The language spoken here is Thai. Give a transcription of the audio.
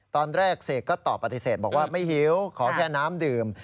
เสกก็ตอบปฏิเสธบอกว่าไม่หิวขอแค่น้ำดื่ม